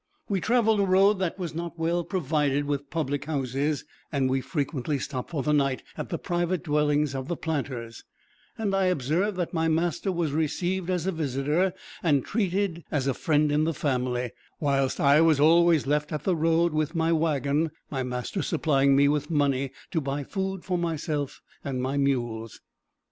We traveled a road that was not well provided with public houses, and we frequently stopped for the night at the private dwellings of the planters, and I observed that my master was received as a visitor, and treated as a friend in the family, whilst I was always left at the road with my wagon, my master supplying me with money to buy food for myself and my mules.